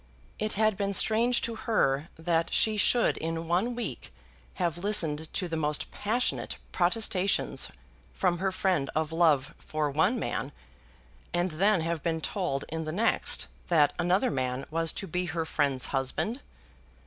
It had been strange to her that she should in one week have listened to the most passionate protestations from her friend of love for one man, and then have been told in the next that another man was to be her friend's husband!